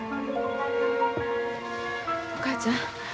お母ちゃん